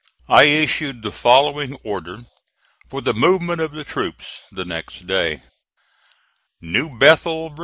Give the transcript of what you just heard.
I issued the following order for the movement of the troops the next day: NEW BETHEL, VA.